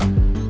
ya pak juna